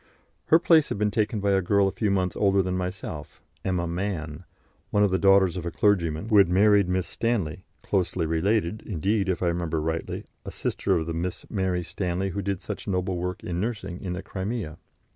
Her place had been taken by a girl a few months older than myself, Emma Mann, one of the daughters of a clergyman, who had married Miss Stanley, closely related, indeed, if I remember rightly, a sister of the Miss Mary Stanley who did such noble work in nursing in the Crimea.